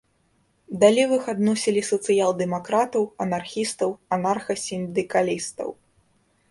Да левых адносілі сацыял-дэмакратаў, анархістаў, анарха-сіндыкалістаў.